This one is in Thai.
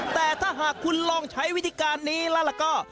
แต่ถ้าหากคุณลองใช้วิธีการนี้แล้วก็